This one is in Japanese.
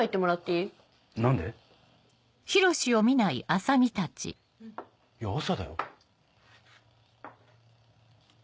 いや朝だよ？